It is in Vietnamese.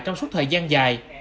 trong suốt thời gian dài